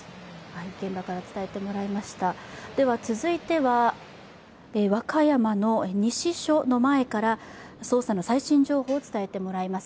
続いては、和歌山の西署の前から捜査の最新情報を伝えてもらいます。